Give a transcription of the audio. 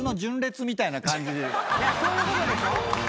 そういうことでしょ。